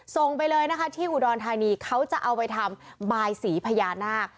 ส่งไปเลยนะคะที่อุดรธานีเขาจะเอาไปทำบายสีพญานาค